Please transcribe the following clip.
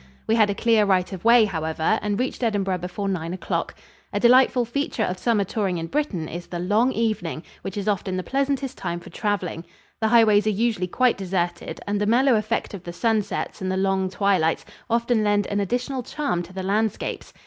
We had a clear right of way, however, and reached Edinburgh before nine o'clock. A delightful feature of summer touring in Britain is the long evening, which is often the pleasantest time for traveling. The highways are usually quite deserted and the mellow effect of the sunsets and the long twilights often lend an additional charm to the landscapes.